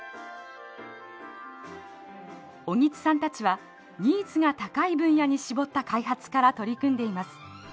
小木津さんたちはニーズが高い分野に絞った開発から取り組んでいます。